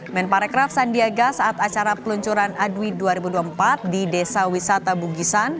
men parekraf sandiaga saat acara peluncuran adwi dua ribu dua puluh empat di desa wisata bugisan